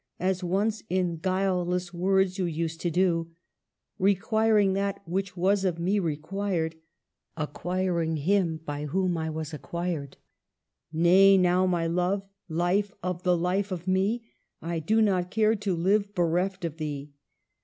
As once in guileless words you used to do — Requiring that which was of me required, Acquiring him by whom I was acquired. Nay, now, my love, life of the life of me, I do not care to live bereft of thee.